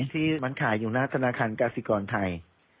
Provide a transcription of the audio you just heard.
ที่มันขายอยู่หน้าธนาคารกาศิกรไทย